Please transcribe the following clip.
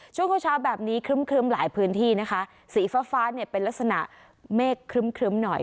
ช่วงเช้าเช้าแบบนี้ครึ้มหลายพื้นที่นะคะสีฟ้าฟ้าเนี่ยเป็นลักษณะเมฆครึ้มหน่อย